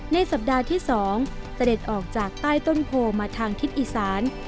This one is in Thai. สัปดาห์ที่๒เสด็จออกจากใต้ต้นโพมาทางทิศอีสาน